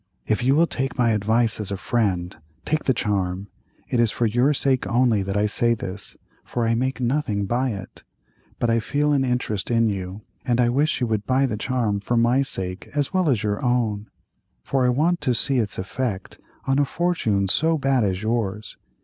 "If you will take my advice as a friend, take the charm; it is for your sake only that I say this, for I make nothing by it—but I feel an interest in you, and I wish you would buy the charm for my sake as well as your own, for I want to see its effect on a fortune so bad as yours.